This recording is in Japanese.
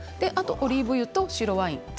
あとオリーブ油と白ワイン。